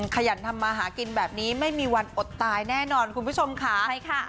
ขยันทำมาหากินแบบนี้ไม่มีวันอดตายแน่นอนคุณผู้ชมค่ะใช่ค่ะ